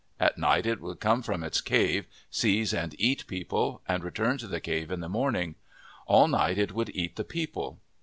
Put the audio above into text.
At night it would come from its cave, seize and eat people, and return to the cave in the morning. All night it would eat the people.